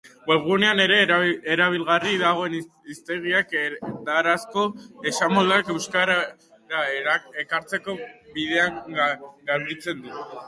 Webgunean ere erabilgarri dagoen hiztegiak erdarazko esamoldeak euskarara ekartzeko bidea garbitzen du.